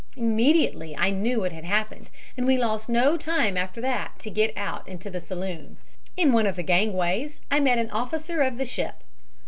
Immediately I knew what had happened and we lost no time after that to get out into the saloon. "In one of the gangways I met an officer of the ship.